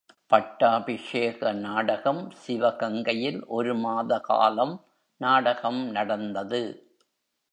பட்டாபிஷேக நாடகம் சிவகங்கையில் ஒருமாத காலம் நாடகம் நடந்தது.